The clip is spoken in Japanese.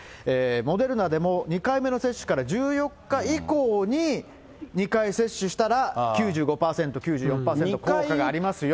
モデルナでも２回目の接種から１４日以降に２回接種したら、９５％、９４％、効果がありますよと。